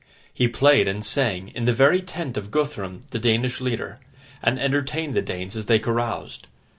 He played and sang in the very tent of Guthrum the Danish leader, and entertained the Danes as they caroused.